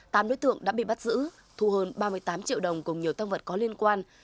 tám đối tượng đã bị bắt giữ thu hơn ba mươi tám triệu đồng cùng nhiều tăng vật có liên quan